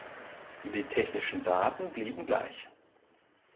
Die technischen Daten blieben gleich.